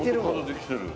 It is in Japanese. できてる。